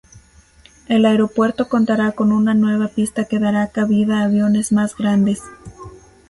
El aeropuerto contará con una nueva pista que dará cabida a aviones más grandes.